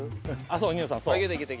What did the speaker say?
そう。